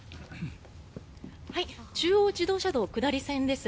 中央自動車道下り線です。